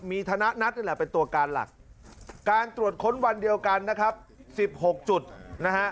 มีธนัดนี่แหละเป็นตัวการหลักการตรวจค้นวันเดียวกันนะครับสิบหกจุดนะฮะ